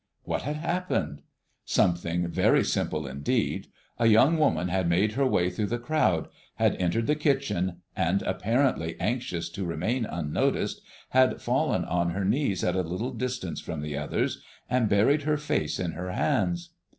What had happened? Something very simple indeed. A young woman had made her way through the crowd, had entered the kitchen, and apparently anxious to remain unnoticed, had fallen on her knees at a little distance from the others, and buried her face in her hands.